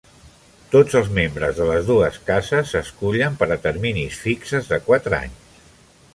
Tots els membres de les dues cases s"escullen per a terminis fixes de quatre anys.